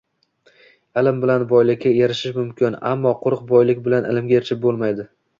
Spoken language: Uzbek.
Ilm bilan boylikka erishish mumkin, ammo quruq boylik bilan ilmga erishib bo‘lmaydi.